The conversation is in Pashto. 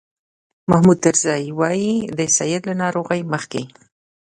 محمود طرزي وایي د سید له ناروغۍ مخکې.